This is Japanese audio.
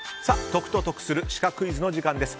解くと得するシカクイズの時間です。